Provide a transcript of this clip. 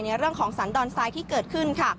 ในเรื่องของสันดอนทรายที่เกิดขึ้นค่ะ